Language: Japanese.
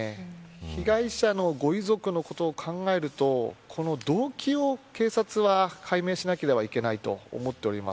被害者のご遺族のことを考えるとこの動機を警察は解明しなければいけないと思っております。